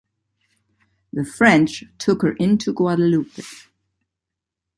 The French took her into Guadeloupe.